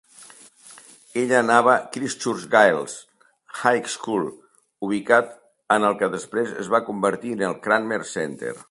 Ella anava a Christchurch Girls' High School, ubicat en el que després es va convertir en el Cranmer Centre.